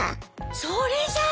それじゃん！